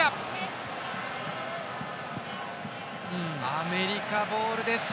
アメリカボールです。